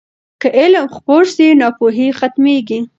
که علم خپور سي، ناپوهي ختمېږي.